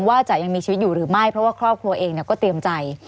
ว่าจะยังมีชีวิตอยู่หรือไม่เพราะว่าครอบครัวเองก็เตรียมใจ